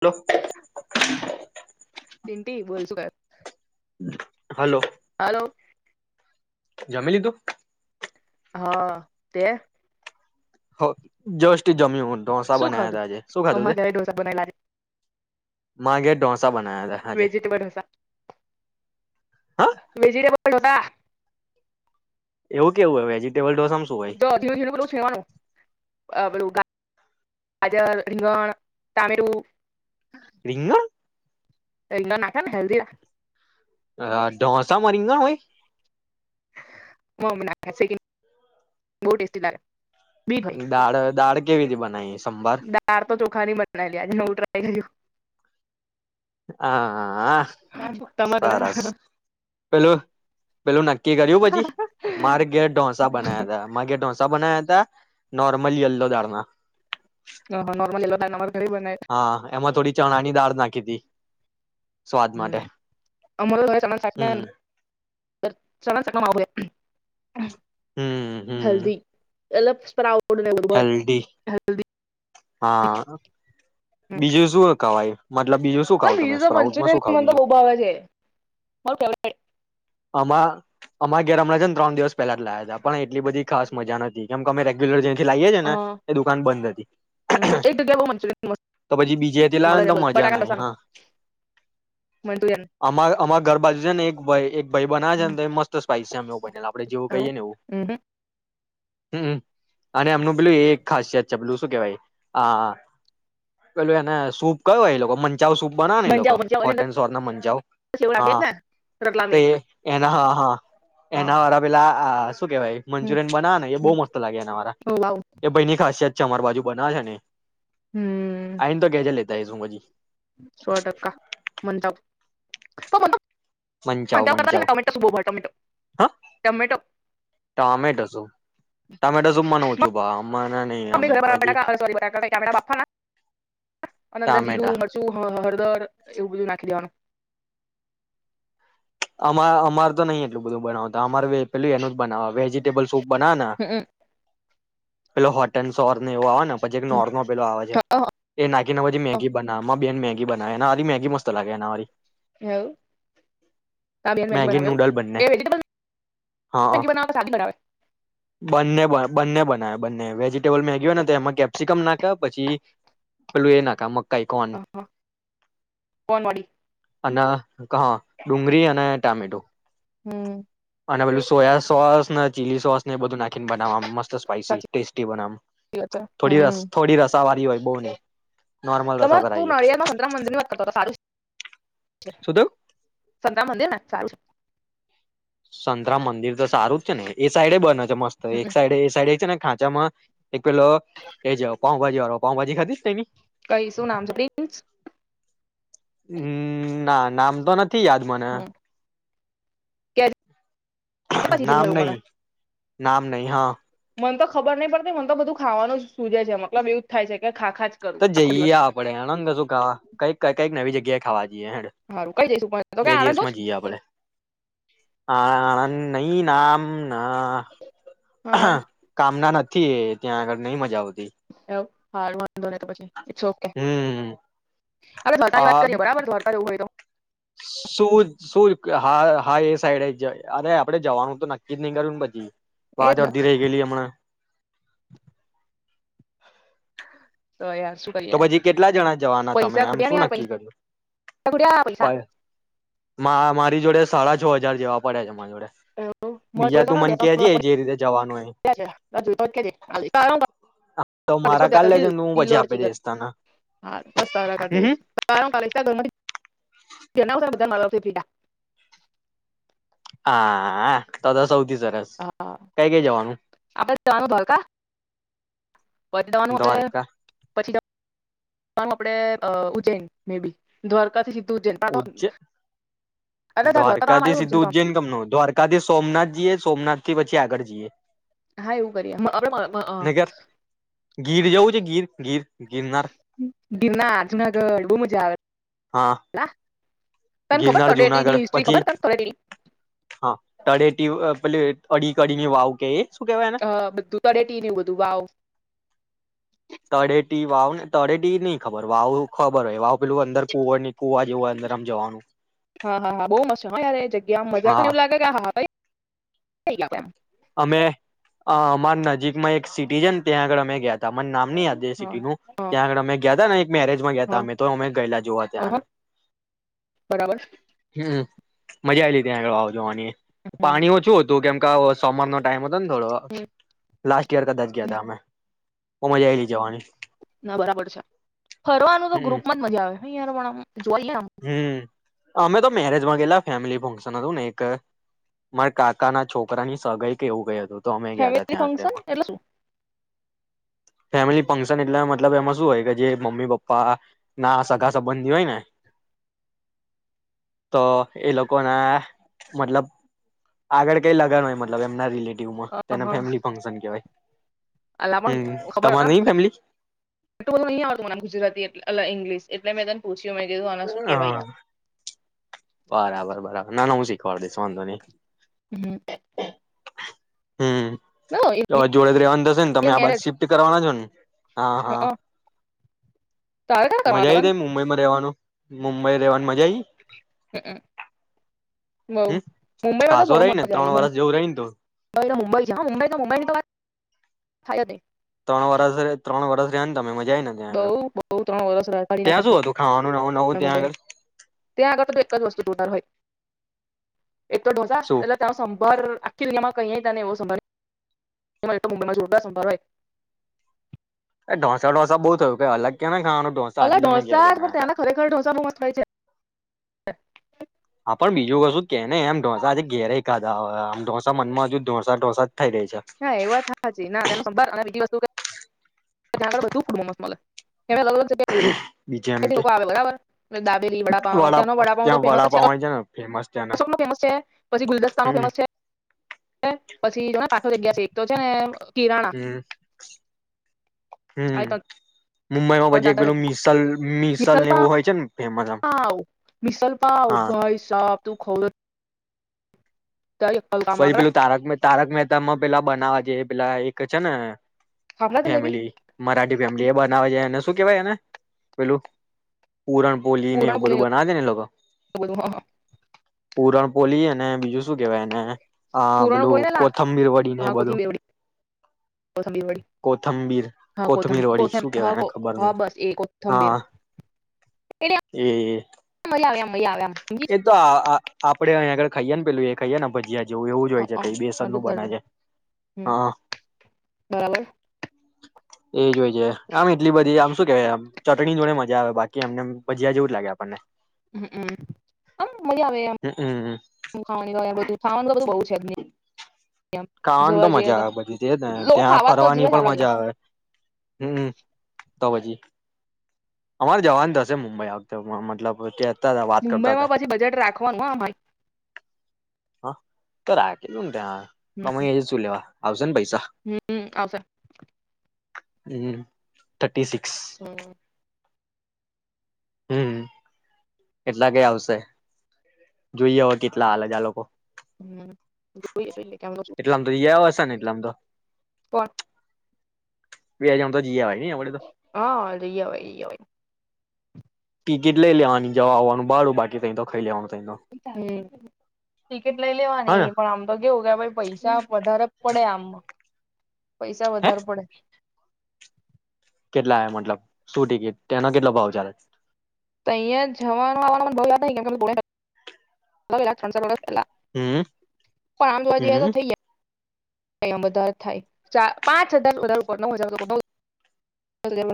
Hello. ચિંતી બોલ શું કે. હલો. હાલો. જમી લીધું. હા તે. હ જસ્ટ. જમીયો ઢોસા શું બનાયા તા ખાધું આજે શું ખાધું તે. અમારા ઘરે ઢોસા બનાવેલા મા ઘેર ડોસ વેજીટેબલ ઢોસા હા વેજીટેબલ ટેબલ ઢોસા. એવું કેવું હોય વેજિટેબલ ઢોસા શું. હોય જો ઝીણું-ઝીણું બધું છીણવાનું. આપણું ગાજર, રીંગણ ટામેટું. રિંગણ! રીંગણાં નાખે ને હેલ્દી હ. અ ઢોસામાં રીંગણ હોય. માં મમ્મી નાંખે સેકીને બો ટેસ્ટી લાગે. બી ભાઈ દાળ, દાળ કેવી રીતે બનાવીએ સંભાર? ખાની બનાયલી, આજે નવું ટ્રાય કરું. હા હા હા, તમારા ઘરે સરસ. પેલું પેલું નક્કી કર્યું પછી? મારી ઘેર ઢોસા બનાયા તા. મારે ઘેર ઢોંસા બનાયા તા. નોર્મલ યલ્લો દાળના. અંહ, નોર્મલ યેલો દાળ [unintelligible] હા એમાં થોડી ચણા ની દાળ નાખી તી. હમ, અમણા [unintelligible] હમ હમ [unintelligible] હમ હલ્દી એટલે સ્પ્રાઉટ ફૂડને એવું બધું હોય, હેલ્ધી હેલ્ધી. હા. બીજું શું હ કવાઈ ચ બીજું તો મંચુરિયન મને તો બીજું બહુ ભાવે છે, મારું ફેવરિટ છે. આમા અમા ઘેર હમણાં છે ને ત્રણ દિવસ પેલા જ લાયા હતા પણ એટલી બધી ખાસ મજા નથી કેમ તમે રેગ્યુલર જયે ને લાઈએ છે અ ને એ દુકાન બંધ હતી એક જગ્યા બહુ મંચુરિયન મસ્ત તો પછી બીજેથી મળે લાવને છે તો મજા ના બટાકાનું રસાનું હા મંચુરિયન આ અમારાં ઘર બાજુ જે ને એક ભઈ એક ભાઈ બના આ છે હમ ને તો મસ્ત સ્પાઈસી છે એવું બનેલ આપડે જેવું કહીએ ને એવું હમ. અને એમનું પેલું એ એક ખાસિયત છે પેલું. શું કહેવાઈ, હ પેલું એને સુૂપ કયો એ લોકો ચિઉં સૂપ બનાવ ને એલોકો મંજાવ મંજાવ એની હોટ અંદર એન્ડ સૌર ના મંચાવ, સેવ નાખે હા. ને રતલામી એના હ હા હા એના વાળા પેલા હા. શું કેહેવાય હમ મંચુરિયન બનાવે ને, એ બહુ હમ મસ્ત લાગે એનાવારા ઓ વાવ એ ભાઈને ખાસિયત. ચમાર બાજુ બનાવે છે ને. હમ આઈને તો કેજે લે. દઈસું મજી. સો ટકા. [unintelligible] મંચાઉ મંજાવ કરતા છે ને મંચાઉ. ટમેટો શું બહુ ભાવે ટમેટો હા? Tomato tomato soup. Tomato soup મને ઓછું ભાવે આમ. મને નહી પછી [unintelligible] અન અંદર ટામેટા જીરું મરચું હ હરદર એવું બધું નાખી દેવાનું. અમા અમાર તો નહીં એટલું બધું બનાવતા. અમારું પેલું એનું જ બનાવ, વેજીિટેબલ સૂપ બનાવે ને હમ પેલો હોટ એન્ડ સોર ને એવો આવે ને, પછી એક નોરમલ પેલો આવે છે, એ નાખીને પછી મેગી બનાવે. માંર બેન મેગી બનાવે, એના હાથની મેગી મસ્ત લાગે એના વાળી. એવુ? મેગી નૂડલ બંને. વેજીટેબલ હં, મેગી બનાવે કે સાદી બનાવે બંને બ બંને બનાવે. બન્. ને વેજીિટેબલ મેગી હોય ને, તો એમાં કેપ્સિકમ નાખે, પછી પેલું એ નાખે મ હા ફન વળી. અને કહ ડુંગળી અને ટામેટો. હમ અને પલું સોયા સોસ ને ચીલી સોસને એ બધુ નાખે. ચિકન બનાવ મસ્ત સ્પાયસી ટેસ્ટી બનામ. સાચી વાત છે હમ્મ હોય બહુ નહી નોર્મલ રસો તમારે તું કરાવીએ નળયાર માં સંતરામ મંદિર ની વાત કરતો તો સારું. શું થયું સંગ્ર મંદિર ને સારું સંતરામ મંદિર તો સારું જ છે ને એ સાઈડે બને છે મસ્ત એક સાઈડ એ સાઈડે છે ને ખા જમાં એક પેલો એ જાવ કોણ. વા પાઉ ભાજી ખાધી એની. કઈ શું નામ છે પ્રિન્સ. હમ ના નામ તો ન નથી યાદ મને. કે પછી જેવું નામ એવું નહી. મને નામ નહી હા. મને તો ખબર નહી પડતી મને તો બધું ખાવાનું જ સુજે છે મતલબ એવું જ થાય છે કે. ખા ખા જ કરું તો આખો જઈએ દિવસ આપડે હણંદ શું કઈક કઈક નવી જગ્યાએ ખાવા જઈએ હેડ સારું કઈ જઈશું પણ તો બે કે આણંદ જ દિવસમાં જઈએ આપડે. હ આનંદ નઈ નામ. ના સારું કામ ના નથી. થી એ ત્યાં આગળ નઈ મજા આવ એવ હાડમાં ભલે તો પછી ઈટ્સ ઓ કે હમ આપડે બધાને વાત આ કરીએ બરાબર દ્વારકા જવુ હોય તો. શું શું હા હા એ સાઈડે જ અરે આપડે જવાનું તો નક્કી જ નઈ કર્યું ન પછી એ વાજ જ ને અડધી રેય ગેલી અમણાં તો યાર શું તો કરીએ પછી કેટલા જણા જવાના તમે પૈસા આમ ખોટ્યા ને શું યાર નક્કી પૈસા કર્યું? ખોટ્યા પૈસા પલ મા મારી જોડે સાળા જ છો હજાર જેવા પડ્યા છે. મારી જોડે [unintelligible] બીજા તું મને કેજે જે રીતે જવાનું હોય તો મારા કાલ લેજે ને હું પછી આપી દઈશ તને બસ તારા કાઢ લઈસ [unintelligible] જનાવતા બધા [unintelligible] પીડા હા આ આ ત તો સૌ હા આ આપડે જવાનું દ્વારકા દ્વારકા પછી જવાનું આપડે પછી જ વાનુ આપડે અ ઉજ્જૈન મે બી દ્વારકાથી સી ઉજ્જ દ્વારકા તો આમ દ્વારકાથી આવ્યું સીધું તો આમ ઉજ્જૈન કમનું? દ્વારકાથી સોમનાથ જીએ સોમનાથ થી પછી આગળ જઈએ. હા એવું કરીએ [inaudible] નગર ગીર જવું છે ગીર ગીર ગિરનાર ગિરનાર જુનાગઢ બહુ મજા આવે. હા. તને ખબર ગિરનાર તળેટીની જુનાગઢ હિસ્ટ્રી પછી ખબર તને તળેટીની હા તળેટી. પેલી અડી. કડીની વાવ કે એ શું કેવાય એને હ બધું તળેટી બધું વાવ તડેટી વાવ ને તડેટીની વાવ ખબર વાવ ખબર હોય વાવ પેલું અંદર કુવર ની કુવા જેવુંય અંદર આમ જવાનું હા હા હા બહુ મસ્ત છે હ એજગ્યામાં મજા હા એવુ લાગે કે હા હા કઇ [inaudible] આપણે અમે અમારા નજીકમાં એક સિટી છે ત્યાં આગળ અમે ગયા મને નામ નહી યાદ એ સિટી નું હા ત્યાં આગળ અમે ગયા તા ને એક મેરેજમાં ગયા ત હા અમે તો અમે ગયેલા જોવા ત્યાં હા આગળ બરાબર હમ મજા આ આવીલી ત્યા વાવ જોવાની પાણી ઓછુ હતું કેમ ક આવ સમરનો ટાઈમ હતો બ થોડવા લાસ્ટ ઈયર કદાચ ગયા હતા અમે બહુ મજા આવી હતી જવાની ના બરાબર છે ફરવાનું તો હમ ગ્રુપમાં જ મજા આવે નહી યાર હમણા? આમ જોવા જઈએ આમ હમ અમે તો મેરેજમાં ગયેલા ફેમિલી ફંક્શન હતું ને એક મારા કાકા ના છોકરા ની સગઈ કે એવું કઇ હતું તો અમે ગયાતા ફેમિલી ત્યાં ફંક્શન આંગળમાં એટલે શું ફેમિલી ફંક્શન એટલે મતલબ એમાં શું હોય કે જે મમ્મી પપ્પા ના સગા સંબંધી હોય ને તો એ લોકો ના મતલબ આગળ કઈ લગન હોય મતલબ એમના રિલેટીવ અહા એ અલા મને હમ ખબર તમારે નઈ ફેમિલી જ નહી આવતું મને ગુજરાતી એટલે એ ઇંગ્લિશ એટલે મે તન પૂછ્યું મેં કીધું આને શું કહેવાય હા એમ બરાબર બરાબર નાના હું શીખવાડ દઈશ વાંધો નહી હમ હમ જોડે જ રહેવાનું થશે ને તમે ઇન્ડિયન આ બાજુ મેરેજ શિફ્ટ કરવાના છો ને [inaudible] હા હા હઅ તારે ક્યાં મજા કરવાના આવી લગન હતી મુંબઈમાં રહેવાનું મુંબઈ રેવાની મજા આઈ? હંઅ બઉ હમ મુંબઈમાં તો ખાસો બઉ રહી ને મજા આઈ ત્રણ મ વરસ જેવું રહી ને તું મુંબઈ [unintelligible] મુંબઈ તો મુંબઈની વાત થાય તે તણ વરષ જ ત્રણ વરષ રહ્યા ને તમે એમજ બઉ બઉ ત્રણ વરસ ત્યાં [unintelligible] શું હતું ખાવાનું નવું નવું ત્યાં આગળ મુંબઈમાં ત્યાં આગળ તો એક જ વસ્તુ જોનાર હોય એ તો ડોસા શું એટલે ત્યાં શંભાર આખી [unintelligible] કઇએય તને એવો સંભાર [unintelligible] મુંબઈમાં જોરદાર સંભાર હોય એ ઢોસા લોસા બઉ થયું કઈ અલગ કેનાય. અલા ઢોંસા જ પણ ત્યાંના ખરેખર ઢોસા બો મસ્ત હોય છે. કેને એમ ઢોસા આજે ઘેરેય ખાધા હો આમ ઢોસા મનમાં અજુ ઢોસા ઢોસા થઈ રહી છે. હા એ વાત હાચી ના તેનો સંભાર અને બીજી વસ્તુ કે ત્યાં આગળ બધું બો મસ્ત મલે. બીજે એમ કે [unintelligible] આવે બરાબર દાબેલી વડાપાવ વડા ત્યાનો વડાપાવ તો ત્યાં ફેમસ જ વડાપાવ હોય છે ને ફેમસ ત્યાંના છે [unintelligible] પછી ગુલદસ્તા નો હમ ફેમસ છે. [unintelligible] [unintelligible] જગ્યા છે એક તો છે ને કિરાણા. આ હમ્મ. ત્રણ મુંબઈમાં પછી એક ટાટા પેલું મિસલ મિસલ એવું હોય છે ને ફેમસ આમ. પાવ મિસલ પાવ હા. ભાઈ સાબ તું ખવ તો તારી અક્કલ કામ ના ફહી કરે પેલું તારક મેહ તારક મહેતામાં પેલા બનાવા જે પેલા એક છે ને ખાખરા જલેબી ફેમિલી મરાઠી ફેમિલી એ બનાવે છે. એ ને શું કેવાય એને પેલું? પુરણપોલી ને પૂરણ એવું બધું પૂરી બનાવે છે ને એ લોકો બધું હ પૂરણપોલી અને બીજું શું કેહેવાય એને? હા પૂરણ પેલું પોળી ને લા કોથંબીર વડી ને હા બધું કોથમીર વડી કોથમીર વડી કોથંબીર હા કોથમ કોથમીર વડી કોથમ શું કેવાય હા એને કો ખબર નઈ. હા બસ એ કોથમીર હા એ મઈ આવે એમ એ તો આ આ આપડે અહીંયા આગળ ખાઈએ ન પેલું એ ખાઈએ ને ભજીયા જેવું એવું જ હોય છે કઈ બેસન મોટું નું કર બને છે. હમ હા. બરાબર એજ હોય છે આમ એટલી બધી આમ શું કેવાય આમ ચટણી જોડે મજા આવે બાકી એમ નેમ ભજીયા જેવું જ લાગે આપણને હમમ અ હમ્મ મજા આવેમ હમમ ખાવાની તો બધું ખાવાનું તો બધું બોજ ઠેબની ખાવાની તો મજા આવે બધી ને લોકો ત્યાં ખાવા તો જીવે ફરવાની પણ આપડા જેવા મજા આવે. હમ્મ. તો પછી અમારે જવાનું થશે મુંબઈ આ વખતે મતલબ ત્યાં- મુંબઈમાં પછી બજેટ રાખવાનું હા ભાય. કેટલું ન ત્યાં કમાઈ એ શું લેવા? આવશે ન ભાઈ. હમ્મ આવશે. હમમ થર્ટી સિક્સ હમમ હમમ એટલા કઈ આવશે જોઈએ હવે કેટલા આલે છે આ લોકો હમમ જોઈએ કેટલી [unintelligible] છું. [unintelligible] એટલે માં તો પણ બેજમ તો જીયાવાય. હા લીયાવાય લીયાવાય. ટિકિટ લઈ લેવાની જવા આવવાનું ભાડું બાકી તય તો ખઈ લેવાનું. તઈ તો હમમ ટિકિટ લઈ હા ને લેવાની પણ આમ તો કેવું કે ભ પૈસા વધારે પડે આમ પૈસા હે વધારે પડે. કેટલા આયા મતલબ, શું ટિકિટ? તેનો કેટલો ભાવ ચાલે? તઈયાં જવાનું આવાનુ [unintelligible] [unintelligible] પેલા પણ હમ આમ જોવા જઈએ તો હમ થઇ જાય એમ વધારે થાય ચા પાંચ હજાર વધારે [unintelligible] [unintelligible] તમે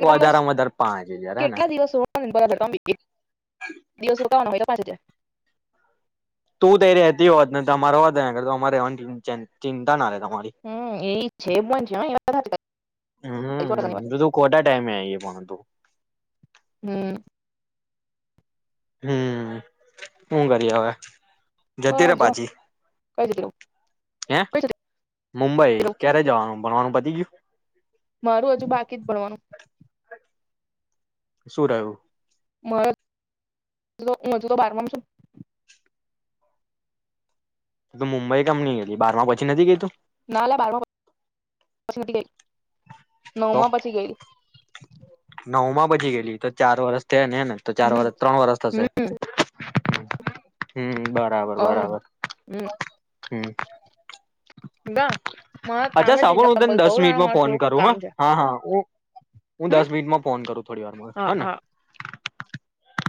કેટલા વધારેમાં વધારે પાંચ દિવસ હજાર હેને કેટલા દિવસો [unintelligible] દિવસુતા હોય તો [unintelligible] તું તંઈ રેતી હોત ને તમારે હોત તંઈ અગાળ અમાર રેવાની તં ચિંતા ના રે હમ એ છે પણ છે [unintelligible] હમ તું ખોટા ટાઈમે આઈ [unintelligible] હમ હમ શું કરીએ હવે જતી રે બસ જો પાછી કઈ જતી રહું હેં કઈ મુંબઈ જતી રહું ક્યારે જવાનું? ભણવાનું પતી ગ્યું? મારું હજુ બાકી જ ભણવાનું શું રહ્યું? [unintelligible] અજુ તો બારમા માં છુ તુ મુંબઈ કમની હતી બારમાં પછી નથી ગય તું? નાલા બારમાં પછી નથી ગઈ તું નવમાં પછી ગયલી નવમાં પહોચી ગયેલી તો ચાર વર્ષ તે ને ને, તો ચાર હમ વરહ ત્રણ વરસ થશે. હમ હમ્મ. બરાબર-બરાબર, હમ હમ્મ. [unintelligible] અચ્છા છે સાંભળ હું તન દસ મિનિટમાં ફોન થોડુંક કરું. કામ છે હા, હા ઓક હું હમ દસ મિનિટમાં ફોન કરું થોડી વારમાં, હા હ ને. હા